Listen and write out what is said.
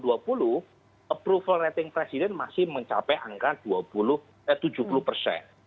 approval rating presiden masih mencapai angka tujuh puluh persen